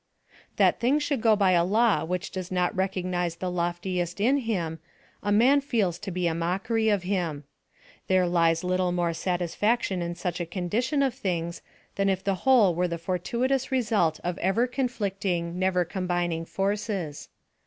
That things should go by a law which does not recognize the loftiest in him, a man feels to be a mockery of him. There lies little more satisfaction in such a condition of things than if the whole were the fortuitous result of ever conflicting, never combining forces.